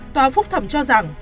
tòa phúc thẩm cho rằng